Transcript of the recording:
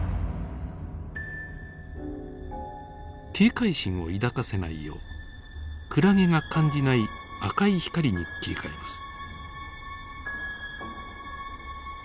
警戒心を抱かせないようクラゲが感じない赤い光に切り替えます。